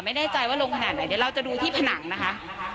ไม่แน่ใจว่าลงขนาดไหนเดี๋ยวเราจะดูที่ผนังนะคะ